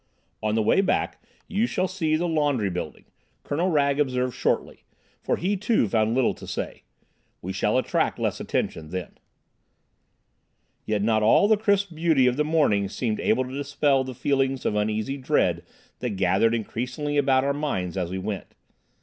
"On the way back you shall see the laundry building," Colonel Wragge observed shortly, for he, too, found little to say. "We shall attract less attention then." Yet not all the crisp beauty of the morning seemed able to dispel the feelings of uneasy dread that gathered increasingly about our minds as we went.